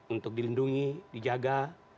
untuk dilindungi dijaga